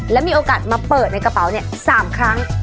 และมีโอกาสมาเปิดในกระเป๋า๓ครั้ง